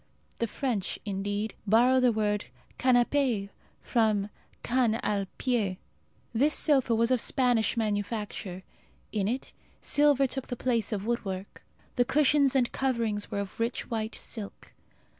The French, indeed, borrow their word canapé from can al pié. This sofa was of Spanish manufacture. In it silver took the place of woodwork. The cushions and coverings were of rich white silk.